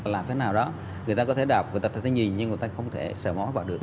làm thế nào đó người ta có thể đọc người ta có thể nhìn nhưng người ta không thể sợ mối vào được